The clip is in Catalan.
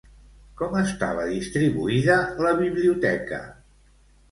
Com estava distribuïda la biblioteca?